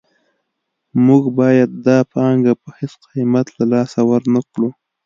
موږ باید دا پانګه په هېڅ قیمت له لاسه ورنکړو